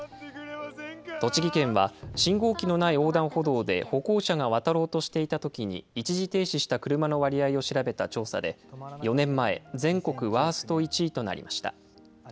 栃木県は信号機のない横断歩道で、歩行者が渡ろうとしていたときに一時停止した車の割合を調べた調査で、４年前、全国ワースト１位となりました。